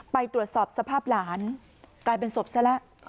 ไปตรวจสอบสภาพหลานกลายเป็นศพซะแล้ว